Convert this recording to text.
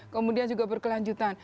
kemudian juga berkelanjutan